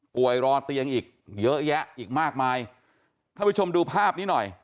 รอเตียงอีกเยอะแยะอีกมากมายท่านผู้ชมดูภาพนี้หน่อย